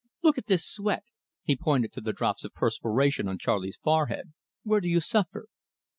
"Look at this sweat!" he pointed to the drops of perspiration on Charley's forehead. "Where do you suffer?"